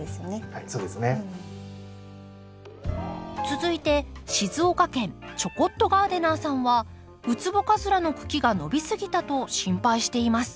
続いて静岡県ちょこっとガーデナーさんはウツボカズラの茎が伸びすぎたと心配しています。